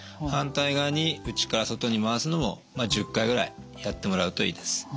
反対側に内から外に回すのも１０回ぐらいやってもらうといいです。